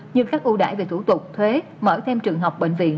như các ưu đại về thủ tục thuế mở thêm trường học bệnh viện